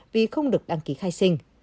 vì không được đăng ký khai sinh